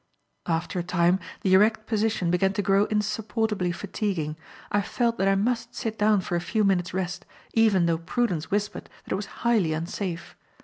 After a time, the erect position began to grow insupportably fatiguing. I felt that I must sit down for a few minutes' rest, even though prudence whispered that it was highly unsafe.